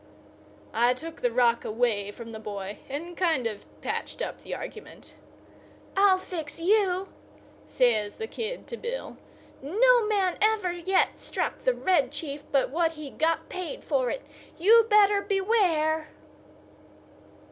I took the rock away from the boy and kind of patched up the argument. "I'll fix you," says the kid to Bill. "No man ever yet struck the Red Chief but what he got paid for it. You better beware!"